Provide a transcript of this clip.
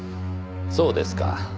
そうですか。